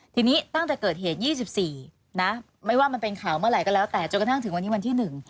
ทีนี้ตั้งแต่เกิดเหตุ๒๔นะไม่ว่ามันเป็นข่าวเมื่อไหร่ก็แล้วแต่จนกระทั่งถึงวันนี้วันที่หนึ่ง